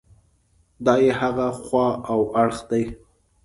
دا یې هغه خوا او اړخ دی.